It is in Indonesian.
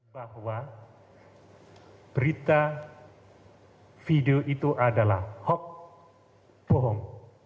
bahwa berita video itu adalah hoax bohong